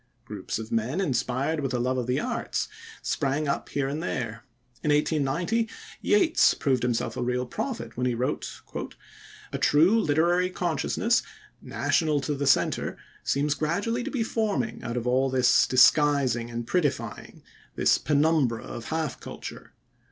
Groups of men inspired with a love of the arts sprang up here and there. In 1890 Yeats proved himself a real prophet when he wrote: "A true literary consciousness national to the centre seems gradually to be forming out of all this disguising and prettifying, this penumbra of half culture.